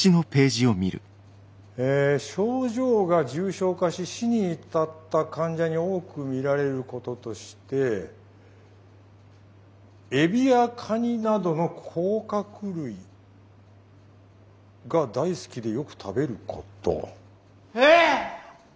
え症状が重症化し死に至った患者に多く見られることとしてエビやカニなどの甲殻類が大好きでよく食べること。え！？